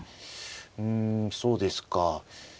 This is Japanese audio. うんそうですか。